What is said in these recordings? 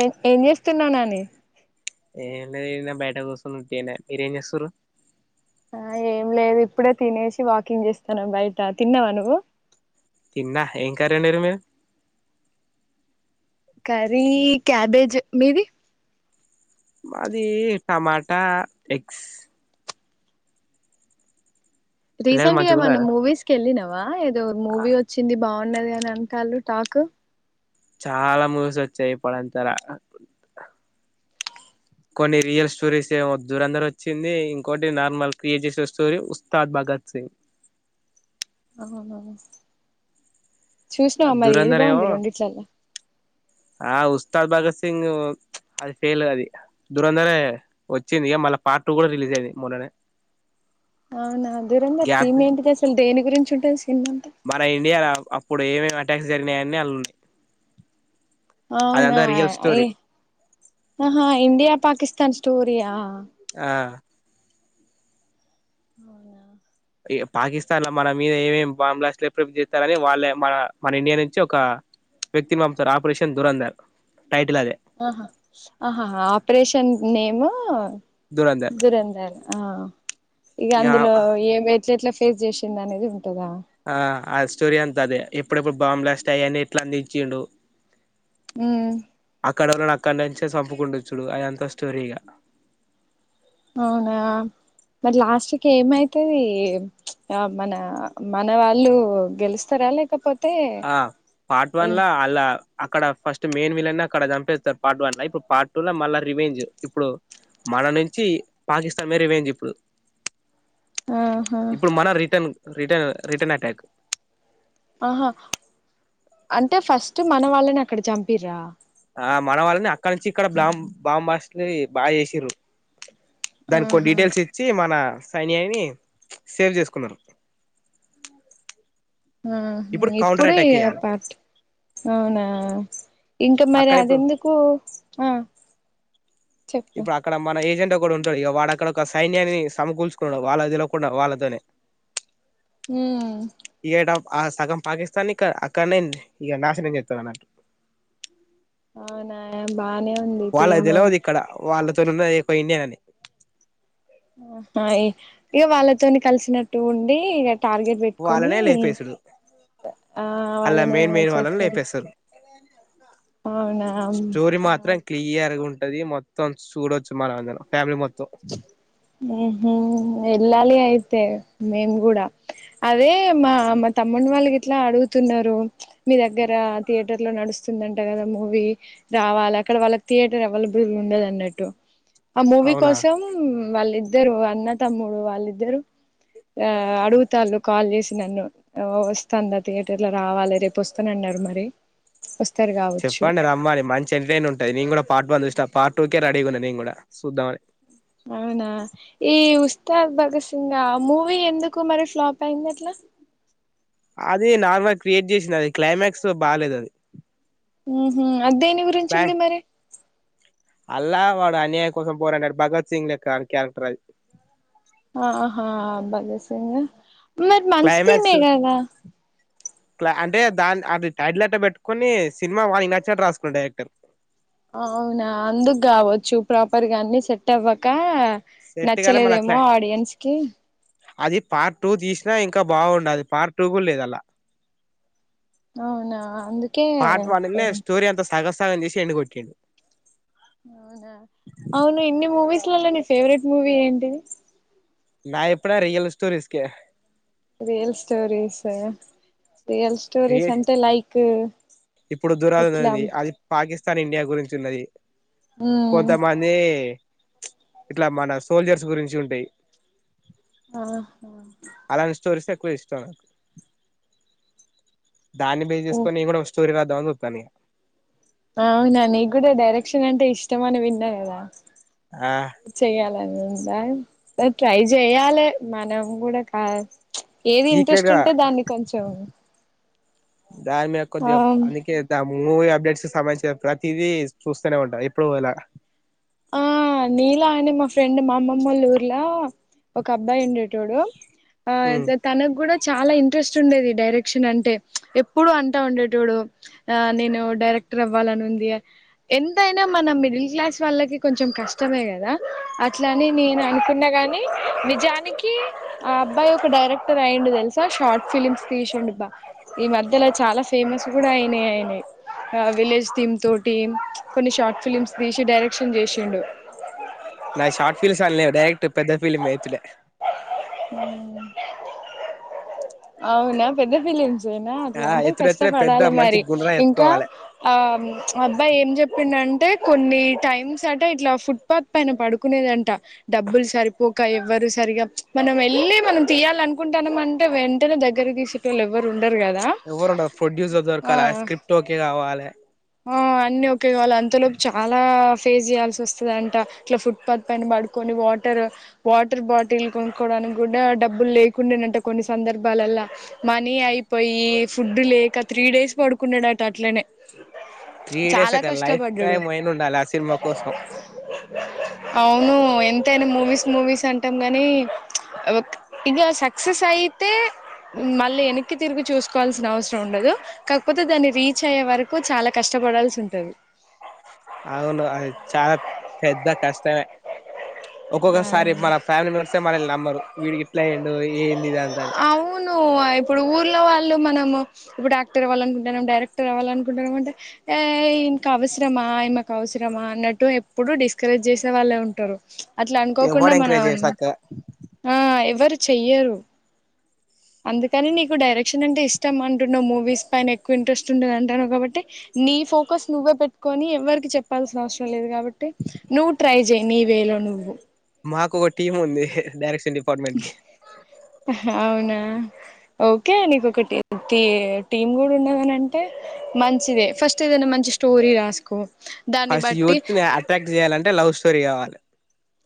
ఏ ఏం చేస్తున్నావ్ నాని? ఏం లే ఇడ్నే బయట కుసున్న ఉట్టిగనే మీరేం జేస్తురు? ఆ ఏం లేదు ఇప్పుడే తినేశి వాకింగ్ చేస్తున్నా బయట తిన్నావా నువ్వు? తన్నా ఏం కర్రి వండిర్రు మీరు కర్రీ క్యాబేజ్ మీది మాదీ టమాటా ఎగ్స్ పిల్లలు రీసెంట్ గా ఏమన్న మంచిగున్నారా మూవీస్ కి వెళ్ళినావా ఏదో మూవీ వచ్చింది? బాఉన్నది అని అంటాలు టాకు చాలా మూవీస్ ఓచ్చాయి ఇప్పుడుంతాల కొన్ని రియల్ స్టోరీస్ ఏమో దూరంధర్ ఓచ్చింది ఇంకోటి నార్మల్ క్రియేట్ చేసిన స్టోరీ ఉస్తాద్ బాగ గత్ సింగ్ అవున దూరంధర్ ఏవో ఆ ఉస్తాద్ భగత్ సింగ్ అది ఫెయిల్ అది దూరంధరే వచ్చింది ఇగ మల్లా పార్ట్ టూ కూడా రిలీజ్ అయింది మొన్ననే అవునా దూరంధర్ గ్యాప్ థీమ్ ఏంటిది అసలు దేని గురించి ఉంటది సినిమా అంతా మన ఇండియాల అప్పుడు ఏమేమి అటాక్స్ జరిగినాయని ఆలుు అవునా ఐ ఆహా ఇండియా పాకిస్తాన్ స్టోరిఆ ఆ అవునా పాకిస్తాన్ల మన మీద ఏమేమి బాంబ్లాస్ట్ ఎపుడు ఎపుడు చేస్తారని వాళ్ళే మన మన ఇండియా నుంచి ఒక వ్యక్తినీ పంపుతారు ఆపరేషన్ దురంధర్ టైటిల్ అదే ఆహా ఆహ ఆపరేషన్ నేము దురంధర్ దురంధర్ ఆ ఇగ అందులో ఏం ఎట్లట్లా ఫేస్ చేసింది అనేది ఉ ఆ ఆ స్టోరీ అంత అదే ఎప్పుడెప్పుడు బాంబ్ బలాస్ట్ అయ్యాని ఎట్లా అందించిండు ఉమ్ అక్కడోల్నాక్ అక్కడ నుంచే సంపుకుంటూ చూడు అయ అంత స్టోరీ ఇగా అవునా మరి లాస్ట్కి ఏమైతది ఆ మన మన వాళ్ళు గెలుస్తారు లేకపోతే ఆ పార్ట్ట్ వన్లా అలా అక్కడ ఫస్ట్ మైన్ విలన్ అక్కడ చంపేస్తారు పార్ట్ వన్ల ఇప్పుడు పార్ట్ టూలా మళ్ళా రివేంజ్ ఇప్పుడు మన నుంచి పాకిస్తాన్ మేద రివేంజ్ ఇప్పుడు ఆహా ఇప్పుడు మన రిటన్ రిట రిటర్న్ అటాక్ ఆహా అంటే ఫస్ట్ మన వాళ్ళని అక్కడ చంపిరా ఆ మన వాళ్ళని అక్కడ నుంచి ఇక్కడ బాం బాంబాస్లు బాగా చేసిరు దానికి కొన్ని ఆహా డీటెయిల్స్ ఇచ్చి మన సైన్యాని సేవ్ చేసుకున్నారు మ్ హు ఇప్పుడు కౌంటర్ ఇప్పుడే అటాక్ ఇగ ఇయ్యాలి పార్ట్ అవునా ఇంకా మరి అక్కడ ఇప్పుడు అదెందుకు ఆ చెప్పు ఇప్పుడు అక్కడ మన ఏజెంట్ దొకడు ఉంటాడు ఇగ వాడు అక్కడ ఒక సైన్యాన్ని సమకూల్చుకున్నాడు వాళ్ళకి తెల్వకుండా వాళ్ళతోనే హం ఇగ ఆ సగం పాకిస్తాన్ ఇక అక్కడనే ఇగ నాశనం చేస్తాడు అన్నట్టు అవునా ఎంబ వాళ్ళకి తెలవది ఇక్కడ వాళ్ళతోనీ ఉన్నది ఒక ఇండియన్ అని ఆహా ఇ ఇగ వాళ్ళతోని కలిసినట్టు ఉండి టార్గెట్ పెట్టుకొని వాళ్ళనే లేపేసుడు ఆ అలా వాళ్ళనీ మెయిన్ మెయిన్ వాళ్ళని చేస్తాడు లేపేస్తారు స్టోరీ మాత్రం ఓ క్లియర్గా ఉన్ ది మొత్తం సుడొచ్చు. మనం అందరం ఫ్యామిలీ మొ హ్మ్ హు ఎల్లాలి అయిత్ తే మేము గుడా అదే మా మా తమ్ముణ్ణి వాళ్ళు గిట్ల అడుగుతున్నారు. మీ దగ్గర థియేటర్ లో నడుస్తుందంట కదా. మూవీ రావాల అక్కడ వాళ్ళకి థియేటర్ అవైలబుల్ ఉండ్ డద్ అన్నట్టు ఆ మూవీ అవునా కోసం వాళ్ళిద్దరు అన్న తమ్ముడు వాళ్ళిద్దరు ఆ అడుగుతాల్లు కాల్ చేసి నన్ను వస్తాందా థియేటర్ లో రావాలి రేపు వస్తూన ర మరి వస్ చెప్పండి రమ్మని మంచి ఎంటర్టటైన్ ఉంటది నేను కూడా పాటు వన్ చూ త పార్టీ టూకే రెడీగా ఉన్న నేను గూడా సుద్దామనే అవునా ఈ ఉస్తాద్ భగత్ సింగ మూవీ ఎందుకు మరి ఫ్లాప్ అయింది అట్లా అది నార్మల్గా క్రియేట్ చేసింది అది క్లైమాక్స్ బాలేదు అది ఉహు దేనిగురుంచి క్లై ఉంది మరి అల్లా వాడు అన్యాయ కొసం పోరాడాడు భగత్ సింగ్ లెక్క క్యారెక్టర్ అది ఆహా భగత్ సింగ్ మీరు మంచి టీమే క్లైమాక్స్ గద క్ల అంటే దాన్ అది టైటిల్ అట్ట పెట్టుకొని సినిమా వాళ్లు నచ్చినట్ రాసుకుండు డైరెక్టర్ అవునా అందుకు గావచ్చు ప్రాపర్గా అన్ని సెట్ అవ్వక సెట్ కాలే మళ్ళ నచ్చలేదేమో క్లై ఆడియన్స్ కి అది పార్ట్ టూ తీసినా ఇంకా బాగుండది. పార్ట్ టూ కూడా లేదంలా అవునా అందుకే పోయింది. తగం సగం చేసి ఎండు కొట్టిండు అవునా అవును ఇన్ని మూవీస్లళ్లా నీ ఫేవరెట్ మూవీ ఏంటిది. నాద్ ఎప్పుడా రియల్ స్టోరీస్కే real stories real stories create అంటే లైక్ ఇప్పుడు ఇట్లా దురందది అది పాకిస్తాన్ ఇండియా గురించి ఉన్నది. ఉమ్ కొంతమంది ఇట్లా మన సోల్జర్స్ గురించి ఉంటయ్ ఆహ స్టోరీస్ ఎక్కువ ఇష్టం నాకు దాన్ని బేస్ ఓ చేసుకొని నేన్ కూడా [unintelligible] అవునా నీ గూడా డైరెక్షన్ అంటే ఇష్టం అని విన్నా గదా ఆ చెయ్యాలని ఉందా ట్రై చెయ్యాలే మనం గూడా కా ఏది సీక్రెట్ ఇంట్రెస్ట్ గా ఉంటే దాన్ని కొంచెం దాని మీద కోద్దిగా ఆమ్ అందుకే దం మూవీ అప్డేట్స్ కి సంబంధించిన ప్రతిదీ చూస్తునే ఉంటా ఎప్పుడు అలా ఆ నీలా అండి మా ఫ్రెండ్ మా అమ్మమ్మల ఊర్లో ఒక అబ్బాయి ఉండే ఉంటడు ఆ ఉమ్ తనకు గూడా చాలా ఇంట్రెస్ట్ ఉండేది. డైరెక్షన్ అంటే ఎప్పుడు అంటావుండేటోడు అ నేను డైరెక్ట్ డైరెక్టర్ అవ్వాలని ఉంది ఎంతైనా మన మిడిల్ క్లాస్ వాళ్ళకి కొంచెం కష్ టమే గదా అట్లని నేను అనుకున్నా కాని నిజానికి ఆ అబ్బాయి ఒక డై డైెరెక్టర్ అయ్యిండు తెలుసా. షార్ట్ ఫిలిమ్స్ తీసిండు బా ఈ మధ్యల చాలా ఫేమస్ కూడా అయినయ్ అయినయ్ ఆ విలేజ్ థీమ్ తో టీమ్ కొన్ని షార్ట్ ఫిలిమ్స్ తీసి డైరెక్షన్ జేసిండు. నా షార్ట్ ఫీల్మ్స్ అన్లేవ్ డైరెక్ట్ పెద్ద ఫీల్మ్ ఏతులే అవునా పెద్ద ఫిలిమ్స్ నా ఆ అట్లాంటే ఎత్తుడు ఎత్తుడే పెద్ద కష్టపడాలి మంచి మరి గుండ్రా ఇంకా ఎత్తుకోవాలే ఆ అబ్బాయి ఏం చెప్పిండంటే కొన్ని టైమ్స్ అంటే ఇట్లా ఫుట్పాత్ పైన పడుకునేదంట. డబ్బులు సరిపోక ఎవ్వరు సరిగా మనం వెళ్ళి మనం తీయాలి అనుకుంటాన్నాం అంటే వెంటనే దగ్గర తీసేటోల్లు ఎవ్వరు ఉ ఎవ్వరుండ ప్రొడ్యూసర్ దొరకాలే ఆ స్క్రిప్ట్ ఓకే కావాలే ఆ అన్నీ ఒకే కావాలి అంతలోపు చాలా ఫేస్ చేయాల్సి వస్తుందంట ఇట్లా ఫుట్పాత్ పైన పడుకో అని వాటర్ వాటర్ బాటిల్ డానికి కూడా డబ్బులు లేకుండెంట కొన్ని సందర్భాలాల్ల మనీ అయిపోయి ఫుడ్ లేక త్రీ డేస్ పడుకున్నాడంట అట్లనే త్రీ డేస్ చాలా అక్క లైఫ్ కష్టపడ్డాడు టైమ్ అయిన ఉండాలి ఆ సినిమా కోసం అవును ఎంతయినా మూవీస్ మూవీస్ అంటాం గాని ఒక ఇగా సక్సెస్ అయితే మళ్ళీ వెనక్కి తిరిగి చూసుకోవాల్సిన అవసరం ఉండదు. కాకపోతే దాన్ని రీచ్ అయ్యే వరకు చాలా కష్టం పడాల్సి ఉంటది అవును అది చాలా పెద్ద కష్టమే ఒక్కొక్కసారి ఆ మన ఫ్యామిలీ మెంబర్స్ నమ్మరు వీడికి ఇట్లైండు ఏంది ఇద అంత అని లో వాళ్ళు మనము ఇప్పుడు డాక్టర్ అవ్వాల అనుకుంటున్నాం డైరెక్టర్ అవ్వాలనుకుంటన్నాం అంటే ఏ ఇంకా ఆ అవసరమా ఈమెకు అవసరమా అన్నట్టు ఎప్పుడు డిస్కరేజ్ చేసే వాళ్ళే ఉంటరు అట్ల అనుకోకుండా ఎవ్వడు ఎంకరేజ్ మనం చేయడు సక్కగా ఆ ఎవరు చెయ్యరు అందుకని నీకు డైరెక్షన్ అంటే ఇష్టం అంటున్న మూవీస్ పైన ఎక్కువ ఇంట్రెస్ట్ ఉండదు అంటాన్నావు కాబట్టి నీ ఈ ఫోకస్ నువ్వే పెట్టుకొని ఎవ్వరికి చెప్పాల్సిన అవసరం లేదు కాబట్టి నువ్వు ట్రై జెయ్యి నీవేలో నువ్వు మాకు ఒక టీమ్ ఉంది డైరెక్షన్ డిపార్ట్మెంట్ కి అవునా ఓకే నీకు ఒక టీ టీమ్ కూడా ఉన్నదనంటే మంచిదే ఫస్ట్ ఏదైనా మంచి స్టోరీ రాసుకో దాన్ని ఫస్ట్ బట్టి యూత్కి అట్రాక్ట్ చేయాలంటే లవ్ స్టోరీ కావాలి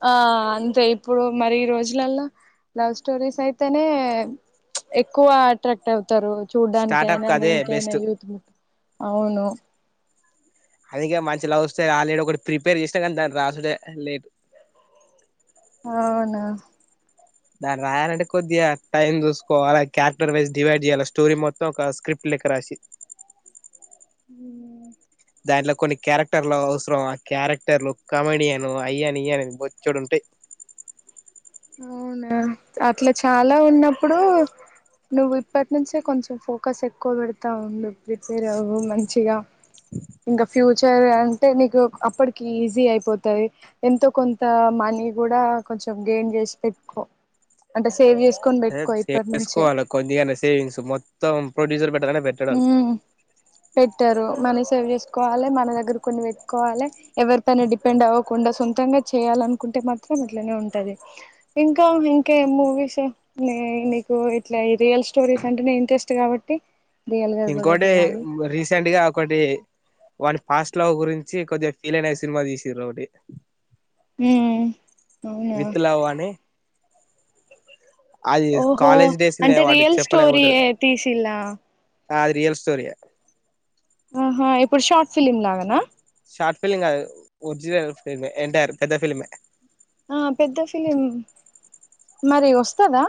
ఆ అంతే ఇప్పుడు మరి ఈ రోజులల్ల లవ్ స్టోరీస్ అయితేనే ఎక్కువ అట్రాక్ట్ అవు తారు చూడ్డానికి స్టార్టప్ అయినా కి అదే దేనికైనా బెస్ట్ యూత్ అవును అందుకే మంచి లవ్ స్టోరీ ఆల్రెడీ ఒకటి ప్రిపేర్ చేస్తే గానీ దాన్ని రాసుడే లేట్ అవునా దాన్ని రాయాలంటే కొద్దిగా టైం చూసుకోవాలి క్యారెక్టవైజ్ డివైడ్ చేయాలి స్టోరి మొత్తం ఒక స్క్రిప్ట్ లెక్క రాసి ఉమ్ దాంట్లో కొన్ని క్యారెక్టర్లు అవసరం ఆ క్యారెక్టర్లు కామెడియన్ అయ్యని ఇయ్యని బొచ్చెడు ఉంటయి అవునా అట్ల చాలా ఉన్నప్పుడు నువ్వు ఇప్పటి నుంచే కొంచెం ఫోకస్ ఎక్కువ పెడతా ఉండు ప్రిపేర్ అవు మంచిగా ఇంకా ఫ్యూ చరు అంటే నీకు అప్పటికి ఈజీ అయిపోతది ఎంతో కొంత మనీ కూడా కొం చం గెయిన్ చేసిపెట్టుకో అంటే సేవ్ చే అదే సేవ్ చేసుకోవాలి కొద్దిగన్న సేవింగ్స్ మొత్తం ప్రొడ్యూసర్ పె ఉమ్ పెట్టరు మనిస్ సేవ్ చేసుకోవాలె మన దగ్గర కొన్ని పెట్టుకోవాలె ఎవరి పైన డిపెండ్ అవ్వకుండా సొంతంగా చేయాలనుకుంటె అంటే మాత్రం ఇట్లనే ఉంటది ఇంకా ఇంకే మూవీస్ నీ నీకు ఇట్లా రియల్ స్టోరీస్ అంటేనే ఇంట్రెస్ట్ కాబట్టి రియల్ గా కూడా ఇంకోటి తీయాలి రీసెంట్ గా ఒకటి వాల్ ఫాస్ట్ లవ్ గురించి కొద్దిగా ఫీల్ అయిన సినిమా తీసిరు ఒకటి ఉమ్ అవునా విత్ లవ్ అని అది ఓహో కాలేజ్ డేస్లనే అంటే వాడు రియల్ చెప్పలేక స్టోరీ పోతడు ఏ తీసిల్లా ఆ అది రియల్ స్టోరియే ఆహా ఇప్పుడు షార్ట్ ఫిలిమ్ లాగనా షార్ట్ ఫిల్లిం కాదు ఒరిజినల్ ఫిల్మ్ ఎంటియర్ పెద్ద ఫిల్మే ఆ పెద్ద ఫిలిం మరి వస్తదా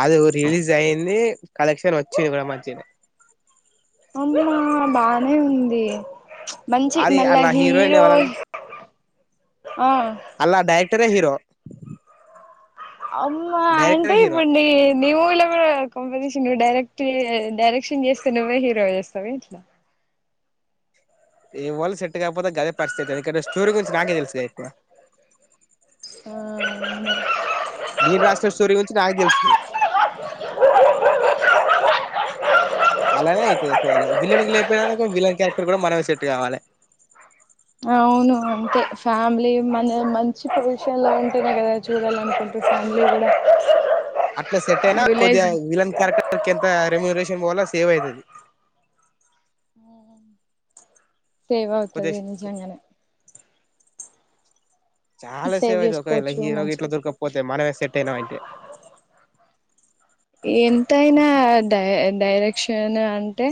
అది రిలీజ్ అయింది కలెక్షన్ వచ్చింది కూడా మంచిగనే అమ్మా బానే ఉంది మంచి అది మళ్ళ అలా హీరోయిన్ హీరో ఎవరంటే ఆ ఒక్కరే హరో అమ్మ అంటే ఇప్పుడ్ ని నీ మూవీలో గూడా కొంపదీసి నువె డైరెక్ట్ డైరెక్షన్ జేస్తే నువ్వే హీరో చేస్తావ ఏట్ల ఇవల్ సెట్ కాకపోతే గదే పరిస్థితి ఎందుకంటే స్టోరీ గురించి నాకే తెలుసులె ఎక్కువ ఆ అవును నేన్ రాస్నా స్టోరీ గురించి నాక్ తెెలుసు అయితది ఒకవేళ విలన్ లేపోయినాక విలన్ క్యారెక్టర్ కూడా మనమే సెట్ కావాలి అవును అంతే ఫ్యామిలీ మనం మంచి పొజిషన్ లో ఉంటెనే గదా చూడాలనుకుం [unintelligible] అట్లా సెట్ అయినా కొద్దిగా విలన్ క్యారెక్టర్ ఎంత రెమ్యూరే ముల సేవ్ ఐతది సేవ్ అవుతది నిజంగనే చాలా సేవ్ అయితది ఒకవేళ చేసుకోవచ్చు హీరో మంచి గిట్లా దొరకపోతే మనమే సెట్ అయినమంటే ఎంతైనా డై డైరెక్షన్ అంటే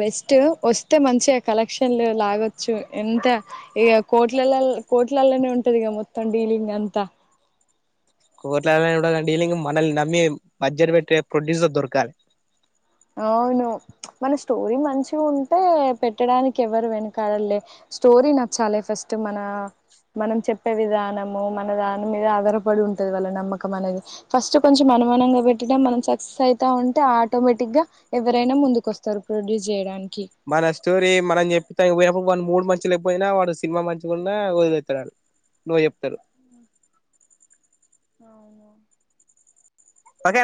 బెస్ట్ వస్తే మంచిగా కలెక్షన్లు లాగొచ్చు ఎం త ఇగ కోట్లలల్ కోట్లల్లనే ఉంటది ఇగ మొత్తం డీలింగ్ అంతా కోట్లల్లనే ఉంటాదిగాన్ డీలింగ్ మనల్ని నమ్మి బడ్జెట్ పెట్టే ప్రొడ్యూసర్ దొరకాలి అవును మన స్టోరీ మంచిగుంటే పెట్టడానికి ఎవరు వెనుకడలే స్టోరీ నాచ్చలే ఫస్ ట్ మన మనం చెప్పే విధానము మన దాన్ మీద ఆధారపడి ఉంటది వాళ్ల నమ్మకం అనేది ఫస్ట్ కొంచం అనుమానంగా పెట్టన మనం సక్సెస్ ఐత ఉంటే ఆటోమేటిగ్గ ఎవరైనా ముందుకోస్తారు ప్రొడ్యూస్ జేయడాని మన స్టోరీ మనం చెప్పి తనికి పోయినప్పుడు వాన్ మూడ్ మంచిగా లేయిపోయినా వాడు సినిమా మంచిగున్న వదిలేతాడ్ అడు నో చెప్తారు అవును ఒకే